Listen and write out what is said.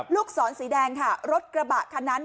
ลูกศรสีแดงค่ะรถกระบะคันนั้น